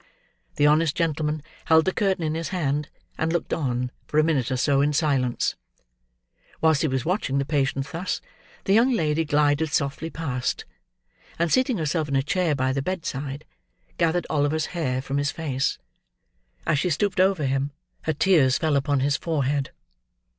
The honest gentleman held the curtain in his hand, and looked on, for a minute or so, in silence. Whilst he was watching the patient thus, the younger lady glided softly past, and seating herself in a chair by the bedside, gathered Oliver's hair from his face. As she stooped over him, her tears fell upon his forehead.